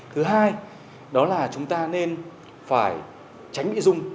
thứ hai đó là chúng ta nên phải tránh bị dung